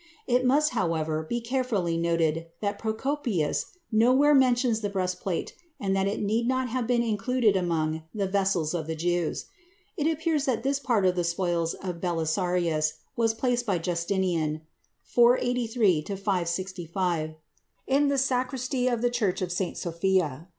It must, however, be carefully noted that Procopius nowhere mentions the breastplate and that it need not have been included among "the vessels of the Jews." It appears that this part of the spoils of Belisarius was placed by Justinian (483 565) in the sacristy of the church of St. Sophia.